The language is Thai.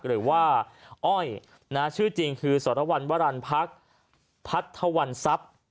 หรือว่าอ้อยชื่อจริงคือสรวรรณวรรณพักษ์พัทธวรรณทรัพย์